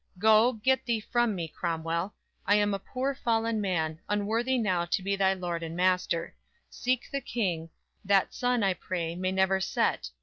Go, get thee from me, Cromwell, I am a poor fallen man, unworthy now To be thy lord and master; seek the King; That sun, I pray, may never set!